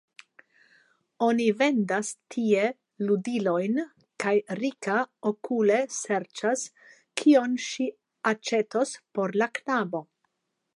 Oni vendas tie ludilojn, kaj Rika okule serĉas, kion ŝi aĉetos por la knabo.